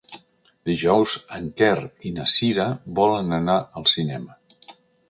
Dijous en Quer i na Cira volen anar al cinema.